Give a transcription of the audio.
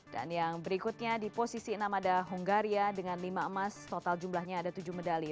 dan yang berikutnya di posisi enam ada hongaria dengan lima emas total jumlahnya ada tujuh medali